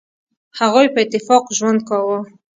هغوی په اتفاق ژوند کاوه.